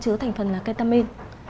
chứ thành phần là ketamine